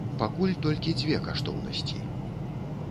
Пакуль толькі дзве каштоўнасці.